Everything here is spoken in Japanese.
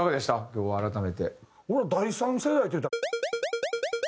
今日改めて。